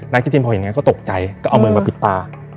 นางคิดสินพอเห็นอย่างนั้นก็ตกใจก็เอาเมืองมาปิดตา